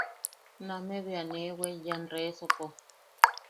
Nameʼe bea nee weeyan resopo.